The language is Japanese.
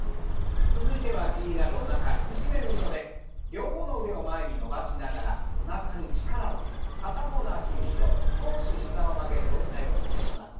両方の腕を前に伸ばしながらおなかに力を入れ片方の脚後ろ少し膝を曲げ上体を倒します。